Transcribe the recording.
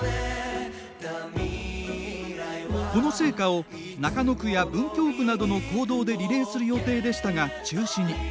この聖火を中野区や文京区などの公道でリレーする予定でしたが中止に。